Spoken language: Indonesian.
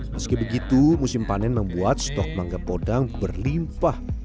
meski begitu musim panen membuat stok mangga podang berlimpah